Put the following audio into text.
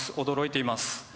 驚いています。